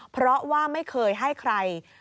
เพราะว่าไม่เคยให้ใคร